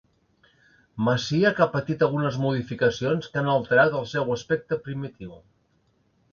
Masia que ha patit algunes modificacions que han alterat el seu aspecte primitiu.